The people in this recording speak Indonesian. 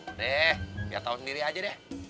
udah biar tau sendiri aja deh